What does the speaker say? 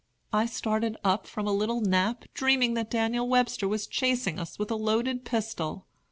I started up from a little nap, dreaming that Daniel Webster was chasing us with a loaded pistol.